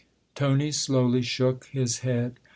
Tony slowly shook his head.